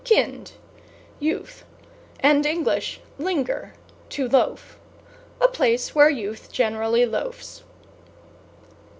kind, youth, and Eng. linger, to loaf. A place where youth generally loafs.